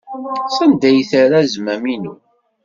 Sanda ay terra azmam-inu?